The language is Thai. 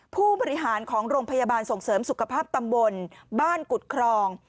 ผู้บริหารของโรงพยาบาลส่งเสริมสุขภาพตำบลบ้านกุฎครอง